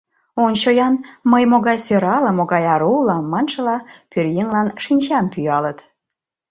«Ончо-ян, мый могай сӧрале, могай ару улам!» маншыла, пӧръеҥлан шинчам пӱялыт.